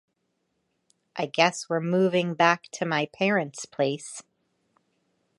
I guess we’re moving back to my parents’ place.